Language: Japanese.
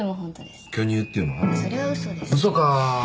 嘘か。